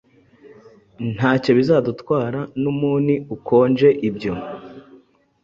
Ntacyo bizadutwara Numuni ukonje, ibyo